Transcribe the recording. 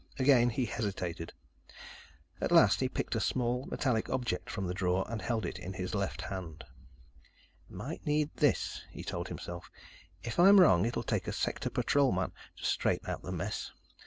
Again, he hesitated. At last, he picked a small, metallic object from the drawer and held it in his left hand. "Might need this," he told himself. "If I'm wrong, it'll take a sector patrolman to straighten out the mess.